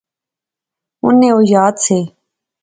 انیں او یاد سے